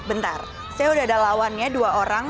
bentar saya udah ada lawannya dua orang